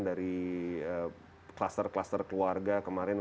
dari kluster kluster keluarga kemarin